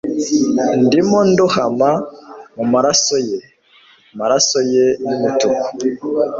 Ndimo ndohama mumaraso ye maraso ye yumutuku